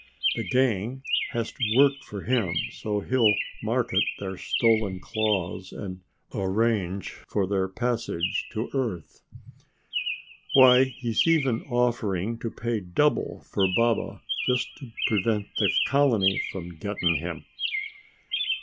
The gang has to work for him so he'll market their stolen claws and arrange their passage to Earth. Why he's even offering to pay double for Baba just to prevent the colony from getting him."